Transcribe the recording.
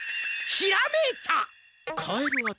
ひらめいた！